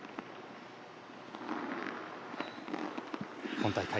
今大会